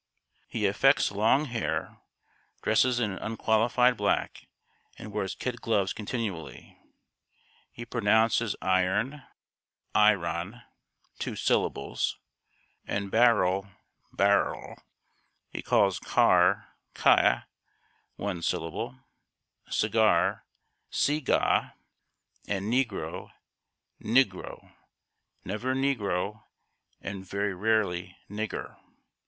] He affects long hair, dresses in unqualified black, and wears kid gloves continually. He pronounces iron "i ron" (two syllables), and barrel "barl." He calls car "kyah" (one syllable), cigar "se ghah," and negro "nig ro" never negro, and very rarely "nigger."